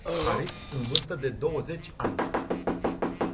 Haris, în vârstă de douăzeci ani.